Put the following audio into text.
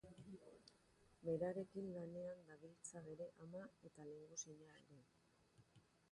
Berarekin lanean dabiltza bere ama eta lehengusina ere.